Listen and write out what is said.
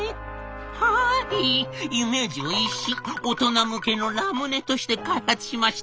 「はいイメージを一新大人向けのラムネとして開発しました。